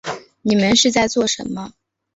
你们是在做什么